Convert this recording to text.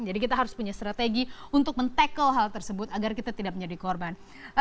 jadi kita harus punya strategi untuk men tackle hal tersebut agar kita tidak menjadi korban